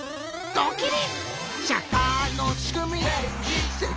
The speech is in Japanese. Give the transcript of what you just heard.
ドキリ！